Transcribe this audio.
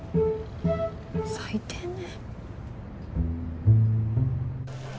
最低ね。